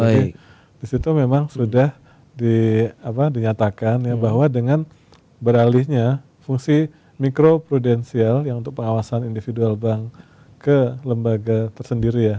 jadi disitu memang sudah dinyatakan bahwa dengan beralihnya fungsi mikro prudensial yang untuk pengawasan individual bank ke lembaga tersendiri ya